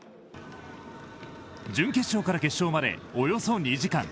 準決勝から決勝までおよそ２時間。